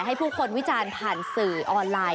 ให้ผู้คนวิจารณ์ผ่านสื่อออนไลน์